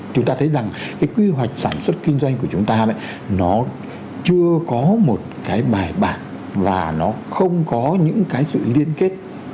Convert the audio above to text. chúng ta thấy rằng cái quy hoạch sản xuất kinh doanh của chúng ta nó chưa có một cái bài bản và nó không có những cái sự liên kết